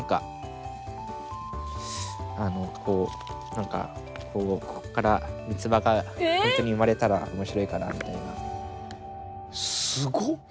何かこうここから三つ葉がほんとに生まれたら面白いかなみたいな。